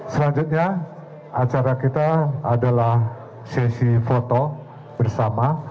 selanjutnya acara kita adalah sesi foto bersama